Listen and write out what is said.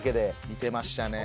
似てましたね。